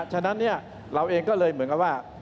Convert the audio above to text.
ฉะนั้นเราเองก็เลยเหมือนกับว่า